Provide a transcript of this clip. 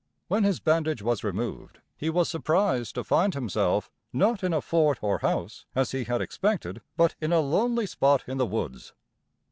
When his bandage was removed, he was surprised to find himself, not in a fort or house, as he had expected, but in a lonely spot in the woods.